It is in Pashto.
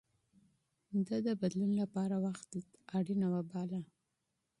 ده د بدلون لپاره وخت ضروري باله.